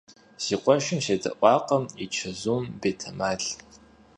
Си къуэшым седэӀуакъым и чэзум, бетэмал.